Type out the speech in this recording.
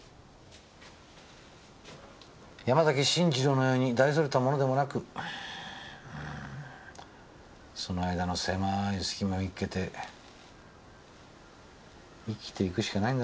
山崎信二郎のように大それた者でもなくその間の狭い隙間見っけて生きていくしかないんだろうね。